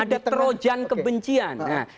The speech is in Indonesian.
ada terojan kebencian